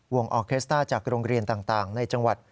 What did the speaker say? ออเคสต้าจากโรงเรียนต่างในจังหวัด